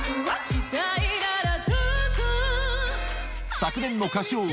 昨年の歌唱王！